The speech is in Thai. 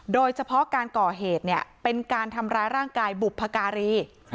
โดยเฉพาะการก่อเหตุเนี่ยเป็นการทำร้ายร่างกายบุพการี